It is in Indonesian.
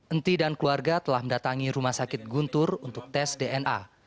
enti dan keluarga telah mendatangi rumah sakit guntur untuk tes dna